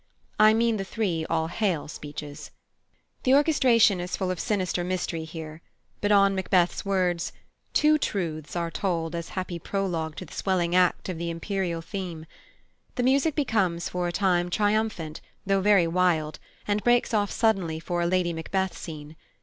I mean the three "All hail" speeches. The orchestration is full of sinister mystery here; but, on Macbeth's words, "Two truths are told As happy prologue to the swelling act Of the imperial theme," the music becomes, for a time, triumphant, though very wild, and breaks off suddenly for a Lady Macbeth scene.